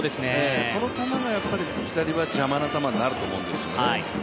この球が左は邪魔な球になると思うんですよね。